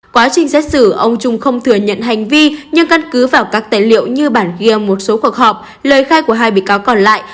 quá trình xét xử ông trung không thừa nhận hành vi nhưng căn cứ vào các tài liệu như bản ghi âm một số cuộc họp lời khai của hai bị cáo còn lại